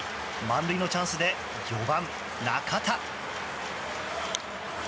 満塁のチャンスで４番、中田。